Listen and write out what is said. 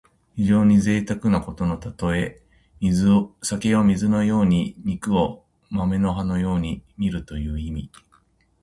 非常にぜいたくなことのたとえ。酒を水のように肉を豆の葉のようにみるという意味。